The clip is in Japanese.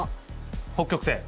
北極星。